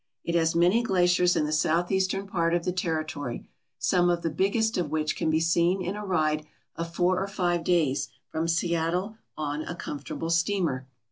It has many glaciers in the southeastern part of the territory, some of the biggest of which can be seen in a ride of four or five days from Seattle on a comfortable steamer.